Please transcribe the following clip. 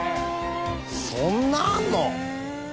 そんなあるの？